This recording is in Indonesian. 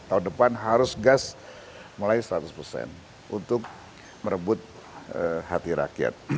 tahun depan harus gas mulai seratus persen untuk merebut hati rakyat